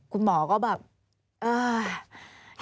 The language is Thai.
คุณหมอก็แบบเออ